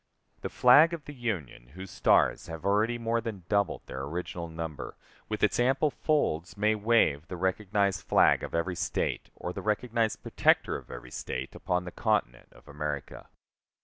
The flag of the Union, whose stars have already more than doubled their original number, with its ample folds may wave, the recognized flag of every State or the recognized protector of every State upon the Continent of America.